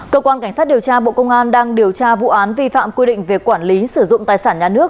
cơ quan cảnh sát điều tra bộ công an đang điều tra vụ án vi phạm quy định về quản lý sử dụng tài sản nhà nước